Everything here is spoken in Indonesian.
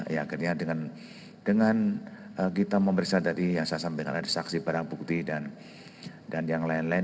ya akhirnya dengan kita memeriksa tadi yang saya sampaikan ada saksi barang bukti dan yang lain lain